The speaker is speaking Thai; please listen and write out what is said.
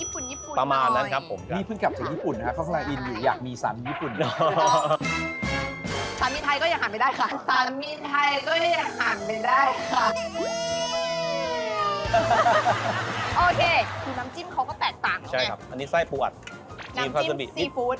ข้างในถูกอัดนี่ก็จะมีเห็ดขาวด้วย